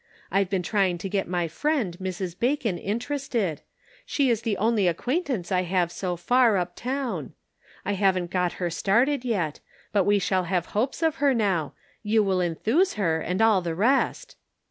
I've been trying to get my friend, Mrs. Bacon, interested ; she is the only acquaintance I have so far up town. I haven't got her started yet ; but we shall have hopes of her now ; you will enthuse her, and all the rest."